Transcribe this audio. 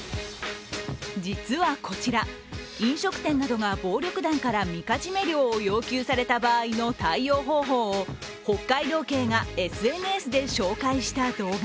実はこちら、飲食店などが暴力団からみかじめ料を要求された場合の対応方法を、北海道警がＳＮＳで紹介した動画。